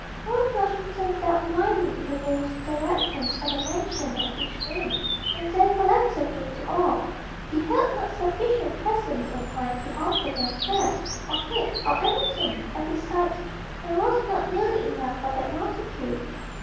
Poor Flushington ducked blindly in the various directions at the mention of each name, and then collectively to all; he had not sufficient presence of mind to offer them chairs, or cake, or anything, and besides, there was not nearly enough for that multitude.